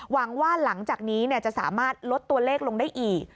หวังว่าหลังจากนี้จะสามารถลดตัวเลขลงได้อีก